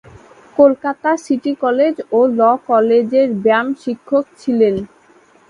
Kolkata city college ও law কলেজের ব্যায়াম-শিক্ষক ছিলেন।